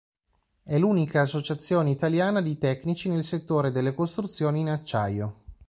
È l'unica associazione italiana di tecnici nel settore delle costruzioni in acciaio.